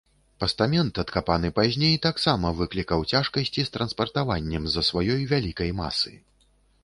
Пастамент, адкапаны пазней, таксама выклікаў цяжкасці з транспартаваннем з-за сваёй вялікай масы.